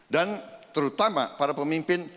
dan terutama para pemimpin